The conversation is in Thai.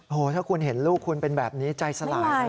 โอ้โหถ้าคุณเห็นลูกคุณเป็นแบบนี้ใจสลายเลย